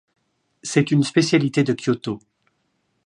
C'est une spécialité de Kyōto.